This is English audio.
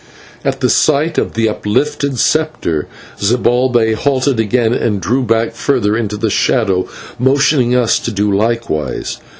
At the sight of the uplifted sceptre, Zibalbay halted again and drew back further into the shadow, motioning us to do likewise.